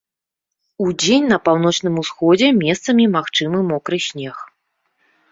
Удзень на паўночным усходзе месцамі магчымы мокры снег.